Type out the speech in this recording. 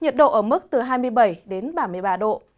từ hai mươi bảy đến ba mươi ba độ